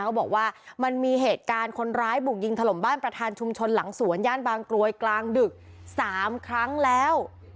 เขาบอกว่ามันมีเหตุการณ์คนร้ายบุกยิงถล่มบ้านประธานชุมชนหลังสวนย่านบางกรวยกลางดึก๓ครั้งแล้ว